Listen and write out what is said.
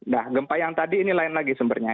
nah gempa yang tadi ini lain lagi sumbernya